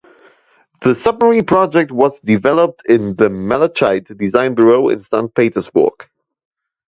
The submarine project was developed in the Malachite Design Bureau in Saint Petersburg.